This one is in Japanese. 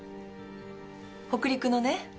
北陸のね